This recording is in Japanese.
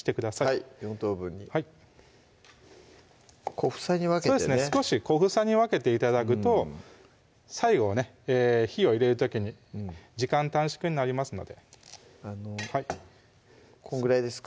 はい４等分に小房に分けてね少し小房に分けて頂くと最後ね火を入れる時に時間短縮になりますのでこのぐらいですか？